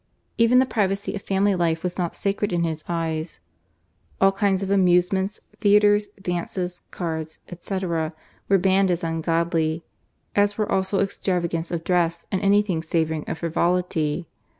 Even the privacy of family life was not sacred in his eyes. All kinds of amusements, theatres, dances, cards, &c., were banned as ungodly, as were also extravagance of dress and anything savouring of frivolity.